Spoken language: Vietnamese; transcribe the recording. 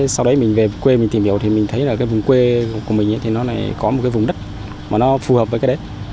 sau đấy mình về quê mình tìm hiểu thì mình thấy là cái vùng quê của mình thì nó này có một cái vùng đất mà nó phù hợp với cái đấy